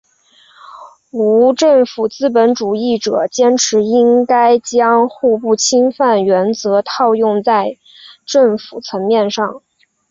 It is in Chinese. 无政府资本主义者坚持应该将互不侵犯原则套用在政府层面上。